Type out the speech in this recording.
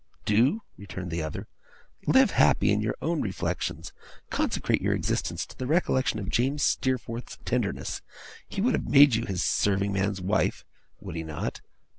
'Do?' returned the other. 'Live happy in your own reflections! Consecrate your existence to the recollection of James Steerforth's tenderness he would have made you his serving man's wife, would he not?